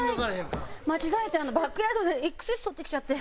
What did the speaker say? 間違えてバックヤードでＸＳ取ってきちゃって。